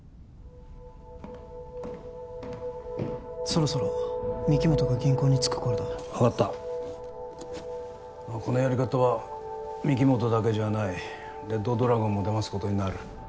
そろそろ御木本が銀行に着く頃だ分かったこのやり方は御木本だけじゃないレッド・ドラゴンもだますことになる